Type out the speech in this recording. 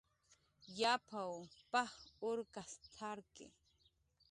"Yapw paj urkas t""arki"